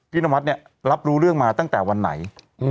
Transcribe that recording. นวัดเนี่ยรับรู้เรื่องมาตั้งแต่วันไหน